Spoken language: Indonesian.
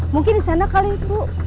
mungkin di sana kali itu